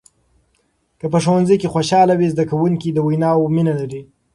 که په ښوونځي کې خوشحالي وي، زده کوونکي د ویناوو مینه لري.